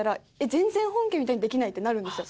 全然本家みたいにできないってなるんですよ。